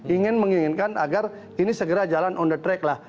ingin menginginkan agar ini segera jalan on the track lah